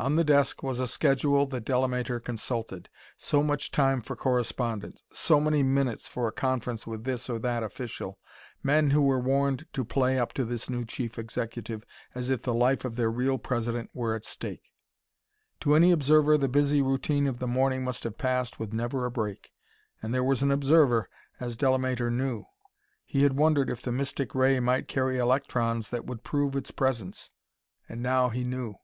On the desk was a schedule that Delamater consulted. So much time for correspondence so many minutes for a conference with this or that official, men who were warned to play up to this new Chief Executive as if the life of their real President were at stake. To any observer the busy routine of the morning must have passed with never a break. And there was an observer, as Delamater knew. He had wondered if the mystic ray might carry electrons that would prove its presence. And now he knew.